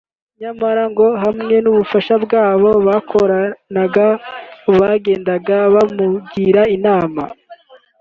nyamara ngo hamwe n’ubufasha bw’aba bakoranaga bagendaga bamugira inama